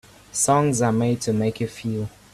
Songs are made to make you feel.